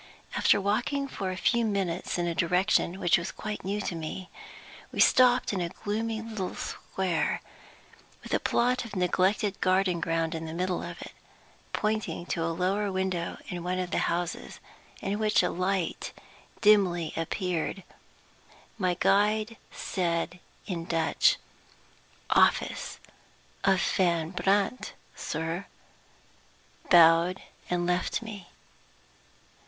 After walking for a few minutes in a direction which was quite new to me, we stopped in a gloomy little square, with a plot of neglected garden ground in the middle of it. Pointing to a lower window in one of the houses, in which a light dimly appeared, my guide said in Dutch: "Office of Van Brandt, sir," bowed, and left me.